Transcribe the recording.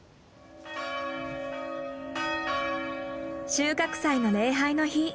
収穫祭の礼拝の日。